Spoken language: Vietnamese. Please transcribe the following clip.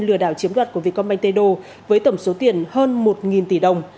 lừa đảo chiếm đoạt của việt công banh tây đô với tổng số tiền hơn một tỷ đồng